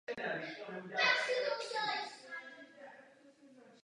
V minulosti se ministři zahraničí každé členské země setkávali jednou za šest měsíců.